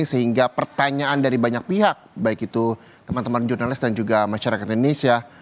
sehingga pertanyaan dari banyak pihak baik itu teman teman jurnalis dan juga masyarakat indonesia